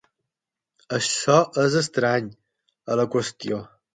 Això és estrany a la qüestió.